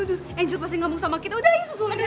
aduh angel pasti ngambuk sama kita udah itu suara angel